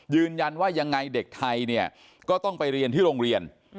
ยืนยันว่ายังไงเด็กไทยเนี่ยก็ต้องไปเรียนที่โรงเรียน